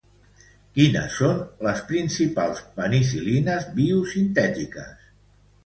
Quines són les principals penicil·lines biosintètiques?